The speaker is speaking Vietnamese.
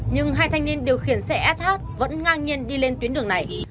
nhưng hai thanh niên điều khiển xe sh vẫn ngang nhiên đi lên tuyến đường này